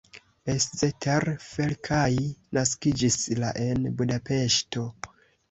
Eszter Felkai naskiĝis la en Budapeŝto.